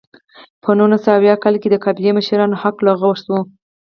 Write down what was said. په نولس سوه اویا کال کې د قبایلي مشرانو حق لغوه شو.